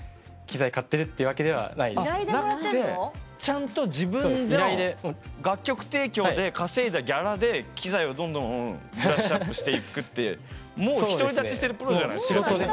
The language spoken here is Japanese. ちゃんと自分の楽曲提供で稼いだギャラで機材をどんどんブラッシュアップしていくってもう独り立ちしてるプロじゃないっすか。